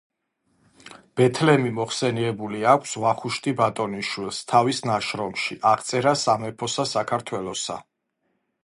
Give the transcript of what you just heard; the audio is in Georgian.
ბეთლემი მოხსენიებული აქვს ვახუშტი ბატონიშვილს თავის ნაშრომში „აღწერა სამეფოსა საქართველოსა“.